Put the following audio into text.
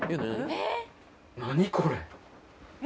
何これ？